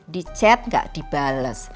di chat gak dibales